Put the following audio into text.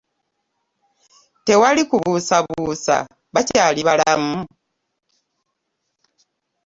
Tewali kubuusabuusa bakyali balamu?